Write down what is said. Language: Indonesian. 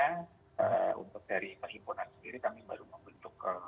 karena untuk dari perhimpunan sendiri kami baru membentuk